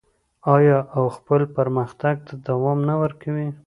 آیا او خپل پرمختګ ته دوام نه ورکوي؟